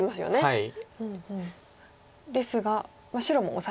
はい。